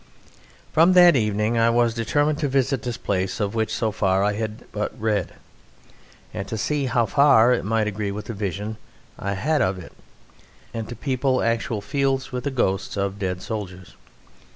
From that evening I was determined to visit this place of which so far I had but read, and to see how far it might agree with the vision I had had of it, and to people actual fields with the ghosts of dead soldiers.